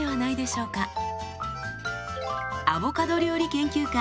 アボカド料理研究家